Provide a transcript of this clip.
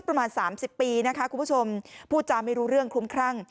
ประมาณสามสิบปีนะคะคุณผู้ชมพูดจาไม่รู้เรื่องคลุ้มครั่ง